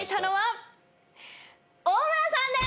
大村さんです！